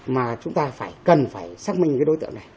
mà chúng ta phải cần phải xác minh cái đối tượng này